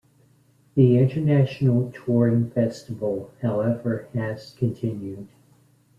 The international touring festival, however, has continued.